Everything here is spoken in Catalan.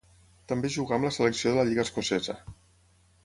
També jugà amb la selecció de la lliga escocesa.